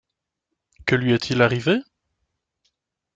Que lui est-il arrivé ?